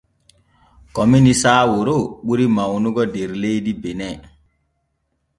Komini saawaro ɓuri mawnugo der leydi bene.